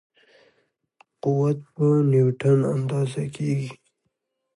قوت په نیوټن اندازه کېږي.